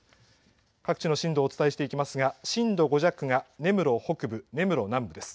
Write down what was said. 各地の震度をお伝えしていきますが、震度５弱が根室北部、根室南部です。